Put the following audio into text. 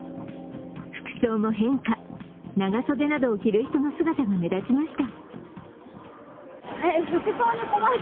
服装も変化、長袖などを着る人の姿が目立ちました。